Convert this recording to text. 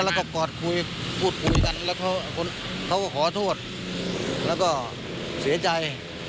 แล้วก็กอดคุยพูดคุยกันแล้วเขาก็ขอโทษแล้วก็เสียใจ